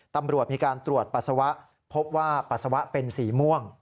ตำรวจมีการตรวจปัสสาวะพบว่าปัสสาวะเป็นสีม่วง